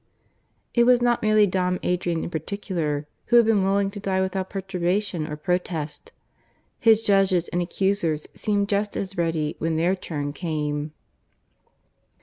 It was not merely Dom Adrian in particular who had been willing to die without perturbation or protest; his judges and accusers seemed just as ready when their turn came.